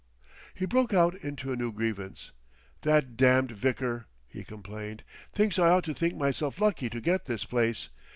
He broke out into a new grievance. "That damned vicar," he complained, "thinks I ought to think myself lucky to get this place!